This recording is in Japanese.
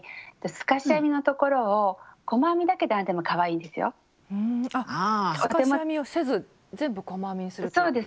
透かし編みをせず全部細編みにするってことですね。